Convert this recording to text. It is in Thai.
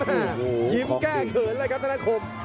ยิ้มแก้เขินเลยครับธนาคม